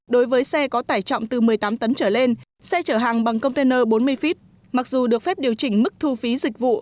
đối với xe có tải trọng từ một mươi tám tấn trở lên xe chở hàng bằng container bốn mươi feet mặc dù được phép điều chỉnh mức thu phí dịch vụ